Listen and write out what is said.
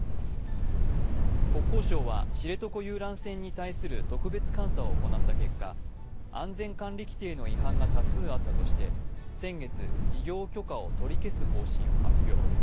国交省は知床遊覧船に対する特別監査を行った結果、安全管理規程の違反が多数あったとして先月、事業許可を取り消す方針を発表。